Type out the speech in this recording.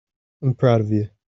I'm proud of you.